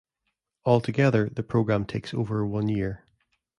All together the program takes over one year.